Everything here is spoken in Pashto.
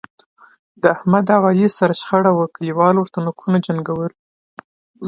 د احمد او علي سره شخړه وه، کلیوالو ورته نوکونو جنګول.